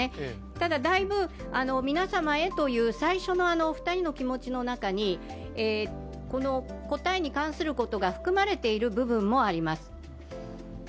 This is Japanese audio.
ただ、だいぶ皆様へという最初の２人の気持ちの中に答えに関することが含まれている部分もあります。